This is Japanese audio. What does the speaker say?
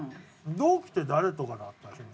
同期って誰とかだったりするんですか？